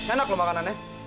enak loh makanannya